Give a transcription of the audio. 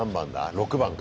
６番か。